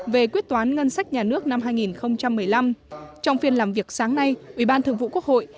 về quyết toán ngân sách nhà nước năm hai nghìn một mươi năm trong phiên làm việc sáng nay ủy ban thường vụ quốc hội